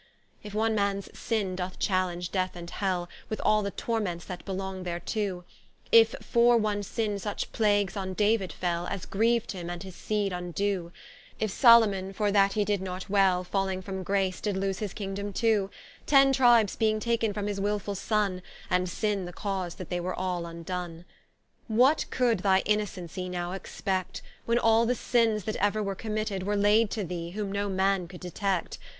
If one Mans sinne doth challenge Death and Hell, With all the Torments that belong thereto: If for one sinne such Plagues on David fell, As grieved him, and did his Seed vndoe: If Salomon, for that he did not well, Falling from Grace, did loose his Kingdome too: Ten Tribes beeing taken from his wilfull Sonne, And Sinne the Cause that they were all vndone. What could thy Innocency now expect, When all the Sinnes that ever were committed, Were laid to thee, whom no man could detect?